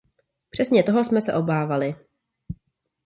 Přesně toho jsme se obávali.